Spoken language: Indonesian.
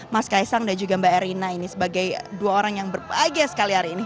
mas kaisang dan juga mbak erina ini sebagai dua orang yang berbahagia sekali hari ini